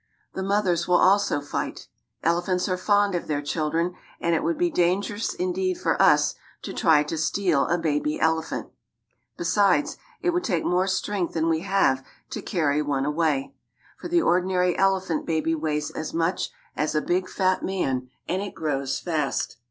The mothers will also fight. Elephants are fond of their children, and it would be dangerous indeed for us to try to steal a baby elephant. Besides, it would take more strength than we have to carry one away ; for the ordinary elephant baby weighs as much as a big fat man and it grows fast.